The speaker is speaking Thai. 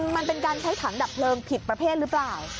มันเป็นการใช้ถังดับเพลิงผิดประเภทหรือเปล่า